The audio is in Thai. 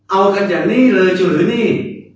เอากันอย่างนี้เลยจนหรือนี่